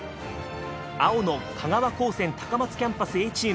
青の香川高専高松キャンパスＡチーム。